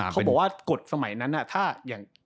เขาบอกว่ากฏสมัยนั้น